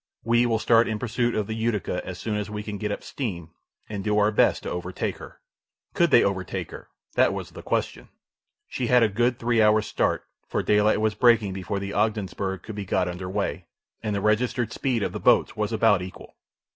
"We will start in pursuit of the Utica as soon as we can get up steam, and do our best to overtake her." Could they overtake her? That was the question. She had a good three hours start, for daylight was breaking before the Ogdensburgh could be got under way, and the registered speed of the boats was about equal.